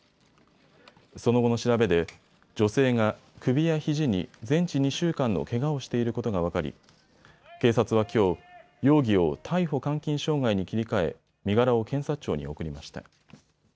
その後の調べで女性が首やひじに全治２週間のけがをしていることが分かり警察はきょう、容疑を逮捕監禁傷害に切り替え身柄を検察庁に送りました。